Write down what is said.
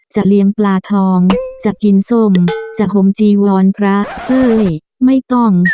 เลี้ยงปลาทองจะกินส้มจะห่มจีวรพระเอ้ยไม่ต้อง